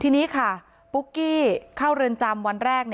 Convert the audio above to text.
ทีนี้ค่ะปุ๊กกี้เข้าเรือนจำวันแรก